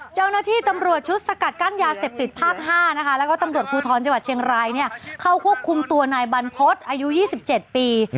เจ้าหน้าที่ตำรวจชุดสกัดกั้นยาเสพติดภาค๕นะคะแล้วก็ตำรวจภูทรจังหวัดเชียงรายเข้าควบคุมตัวนายบรรพฤษอายุ๒๗ปี